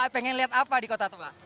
pengen lihat apa di kota tua